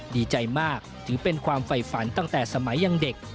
ดีใจมากถือเป็นความไฟฝันตั้งแต่สมัยยังเด็ก